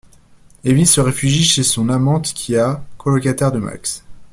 Evy se réfugie chez son amante Kia, colocataire de Max.